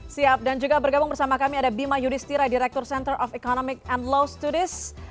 siap dan juga bergabung bersama kami ada bima yudhistira direktur center of economic and law studies